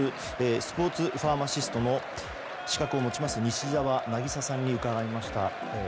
スポーツファーマシストの資格を持ちます西澤渚さんに伺いました。